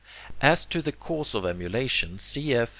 As to the cause of emulation, cf.